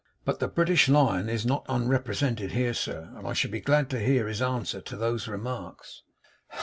But the British Lion is not unrepresented here, sir; and I should be glad to hear his answer to those remarks.